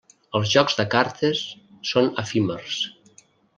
Els jocs de cartes són efímers.